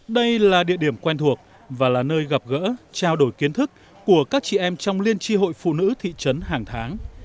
đây là địa điểm quen thuộc và là nơi gặp gỡ trao đổi kiến thức của các chị em trong liên tri hội phụ nữ thị trấn hàng tháng